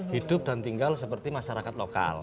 hidup dan tinggal seperti masyarakat lokal